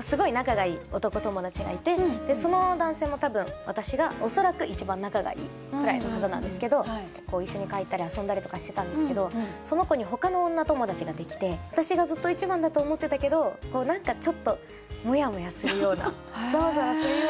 すごい仲が良い男友達がいてその男性も多分私が恐らく一番仲が良いくらいの方なんですけど一緒に帰ったり遊んだりとかしてたんですけどその子に他の女友達ができて私がずっと一番だと思ってたけどこう何かちょっとモヤモヤするようなザワザワするような。